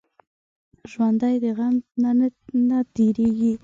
ژوندي د غم نه تېریږي